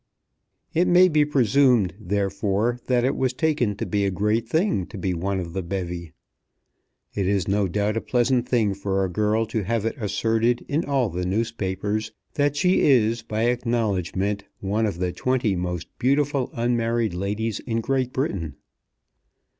It may be presumed, therefore, that it was taken to be a great thing to be one of the bevy. It is, no doubt, a pleasant thing for a girl to have it asserted in all the newspapers that she is, by acknowledgment, one of the twenty most beautiful unmarried ladies in Great Britain.